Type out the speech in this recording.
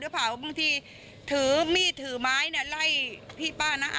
บางทีถือมีดถือไม้เนี่ยไล่พี่ป้านะ